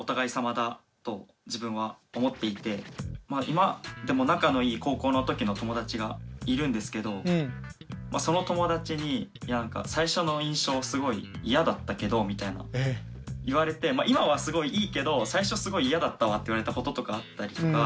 今でも仲のいい高校の時の友達がいるんですけどその友達に最初の印象すごい嫌だったけどみたいに言われて今はすごいいいけど最初すごい嫌だったわって言われたこととかあったりとか。